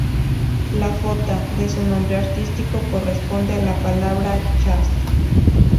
La "J" de su nombre artístico corresponde a la palabra Jazz.